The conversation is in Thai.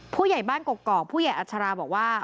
ผู้ใหญ่บ้านกกอกผู้ใหญ่อัชราบอกว่า